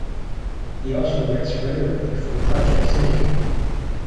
He also writes regularly for "Project Syndicate".